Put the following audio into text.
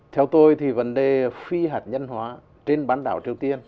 theo tôi thì vấn đề phi hạt nhân hóa trên bán đảo triều tiên